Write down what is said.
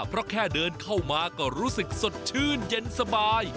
เพราะแค่เดินเข้ามาก็รู้สึกสดชื่นเย็นสบาย